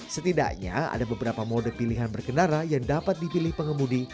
setidaknya ada beberapa mode pilihan berkendara yang dapat dipilih pengemudi